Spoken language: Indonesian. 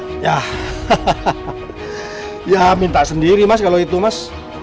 hahaha ya minta sendiri mas kalau itu mas